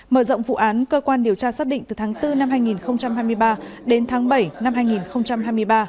mở rộng vụ án cơ quan điều tra xác định từ tháng bốn năm hai nghìn hai mươi ba đến tháng bảy năm hai nghìn hai mươi ba